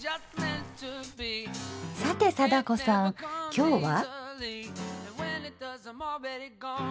さて貞子さん今日は？